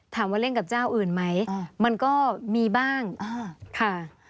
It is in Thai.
ถามว่าเล่นกับเจ้าอื่นไหมมันก็มีบ้างค่ะ